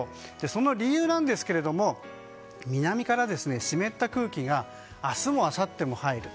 その理由ですが南から湿った空気が明日もあさっても入る。